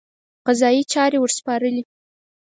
قضایي چارې ورسپارلې.